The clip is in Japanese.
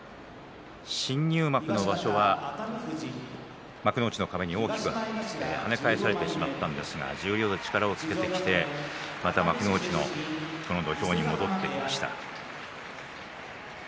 新入幕の場所は幕内の壁に大きく跳ね返されてしまったんですが十両で力をつけてきてまた幕内のこの土俵に戻ってきました。